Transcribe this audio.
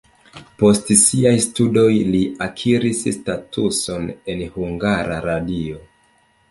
Post siaj studoj li akiris statuson en Hungara Radio.